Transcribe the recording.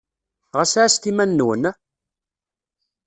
Ɣas ɛasset iman-nwen!